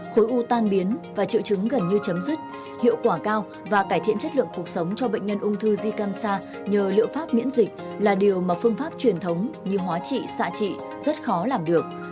khối u tan biến và triệu chứng gần như chấm dứt hiệu quả cao và cải thiện chất lượng cuộc sống cho bệnh nhân ung thư di can xa nhờ liệu pháp miễn dịch là điều mà phương pháp truyền thống như hóa trị xạ trị rất khó làm được